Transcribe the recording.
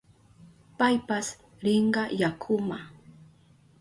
Paypas rinka yakuma.